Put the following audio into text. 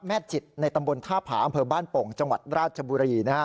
จิตในตำบลท่าผาอำเภอบ้านโป่งจังหวัดราชบุรี